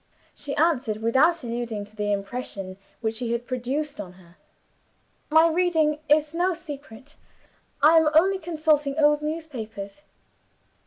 She answered without alluding to the impression which he had produced on her. "My reading is no secret. I am only consulting old newspapers."